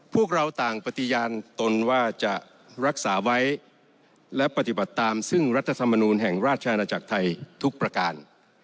พวกเราต่างปฏิญาณตนว่าจะรักษาไว้และปฏิบัติตามซึ่งรัฐธรรมนูลแห่งราชอาณาจักรไทยทุกประการ